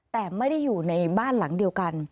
แต่ไม่ได้อยู่ในบ้านหลังเดียวกัน